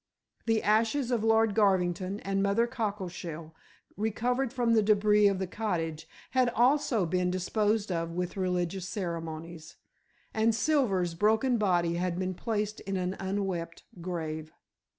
The ashes of Lord Garvington and Mother Cockleshell, recovered from the débris of the cottage, had also been disposed of with religious ceremonies, and Silver's broken body had been placed in an unwept grave.